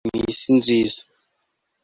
mw'isi nziza